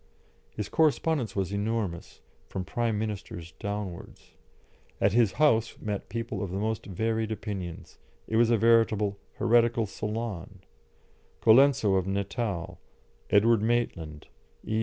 His correspondence was enormous, from Prime Ministers downwards. At his house met people of the most varied opinions; it was a veritable heretical salon. Colenso of Natal, Edward Maitland, E.